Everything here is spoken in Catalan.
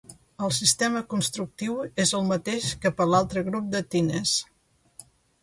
El sistema constructiu és el mateix que per l'altre grup de tines.